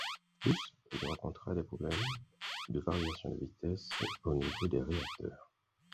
De plus, il rencontre des problèmes de variation de puissance au niveau des réacteurs.